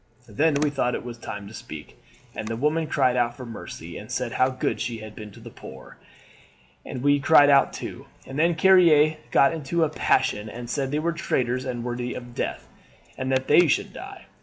"Then we thought it was time to speak, and the women cried out for mercy, and said how good she had been to the poor; and we men cried out too. And then Carrier got into a passion, and said they were traitors and worthy of death, and that they should die.